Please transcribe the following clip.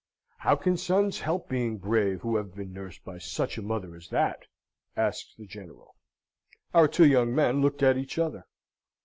"How can sons help being brave who have been nursed by such a mother as that?" asks the General. Our two young men looked at each other.